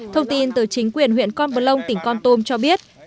thông tin từ chính quyền huyện con bờ lông tỉnh con tum cho biết